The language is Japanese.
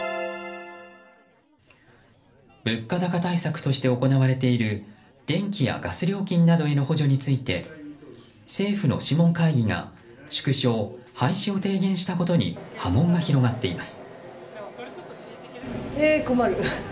物価高対策として行われている電気やガス料金などへの補助について政府の諮問会議が縮小・廃止を提言したことに波紋が広がっています。